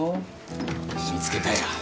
見つけたよ。